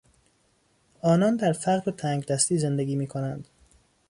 آنان در فقر و تنگدستی زندگی میکنند.